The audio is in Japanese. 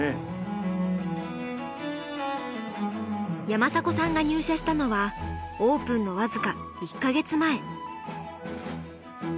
山迫さんが入社したのはオープンのわずか１か月前。